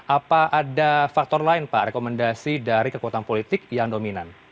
apa ada faktor lain pak rekomendasi dari kekuatan politik yang dominan